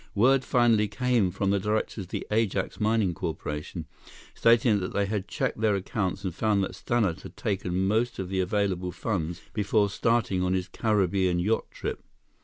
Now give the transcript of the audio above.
Word finally came from the directors of the Ajax Mining Corporation, stating that they had checked their accounts and found that Stannart had taken most of the available funds before starting on his Caribbean yacht trip.